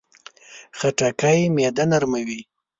خټکی معده نرموي.